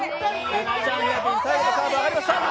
ウッチャンヘアピン、最後のカーブを曲がりました。